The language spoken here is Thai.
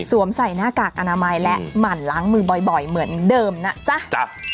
สวมใส่หน้ากากอนามัยและหมั่นล้างมือบ่อยเหมือนเดิมนะจ๊ะ